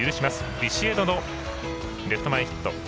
ビシエドのレフト前ヒット。